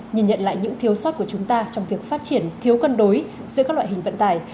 nhìn nhận lại những thiếu sót của chúng ta trong việc phát triển thiếu cân đối giữa các loại hình vận tải